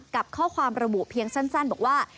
กับข้อความระบุเพียงสั้นบอกว่า